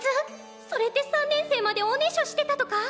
それって３年生までおねしょしてたとか？